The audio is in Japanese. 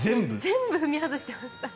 全部踏み外してました。